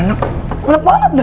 nakap dulu yang dia